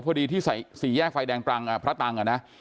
พอดีที่สี่แยกไฟแดงตรังพระตังอ่ะนะ